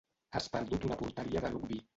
Has perdut una porteria de rugbi.